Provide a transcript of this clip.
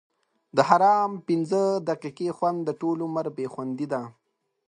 د حرام پنځه دقیقې خوند؛ د ټولو عمر بې خوندي ده.